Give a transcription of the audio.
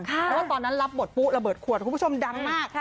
เพราะว่าตอนนั้นรับบทปุ๊ระเบิดขวดคุณผู้ชมดังมาก